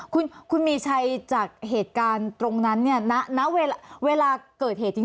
คุณมีชัยจากเหตุการณ์ตรงนั้นเนี่ยณเวลาเกิดเหตุจริง